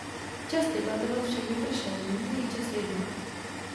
Čas debatovat však vypršel, nyní je čas jednat.